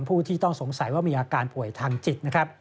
ผู้ที่ต้องสงสัยว่ามีอาการป่วยทางจิตนะครับ